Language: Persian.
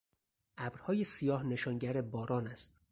ابرهای سیاه نشانگر باران است.